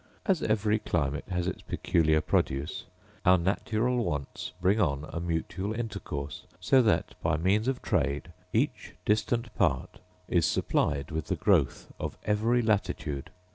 As every climate has its peculiar produce, our natural wants bring on a mutual intercourse; so that by means of trade each distant part is supplied with the growth of every latitude.